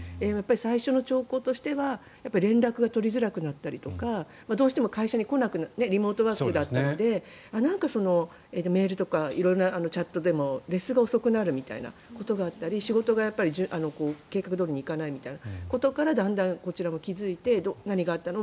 最初の兆候としては連絡が取りづらくなったりとかどうしても会社に来なくなってリモートワークだったのでメールとか色んなチャットでもレスが遅くなるということがあったり仕事が計画どおりにいかないみたいなことからだんだん、こちらも気付いて何があったの？